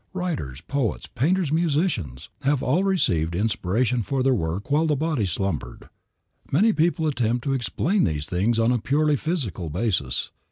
Writers, poets, painters, musicians, all have received inspiration for their work while the body slumbered. Many people attempt to explain these things on a purely physical basis.